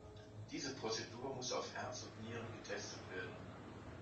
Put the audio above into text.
Diese Prozedur muss auf Herz und Nieren getestet werden.